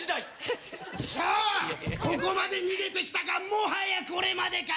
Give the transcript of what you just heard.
ここまで逃げてきたがもはやこれまでか！